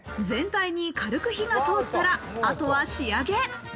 全体に軽く火が通ったらあとは仕上げ。